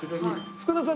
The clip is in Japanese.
福田さん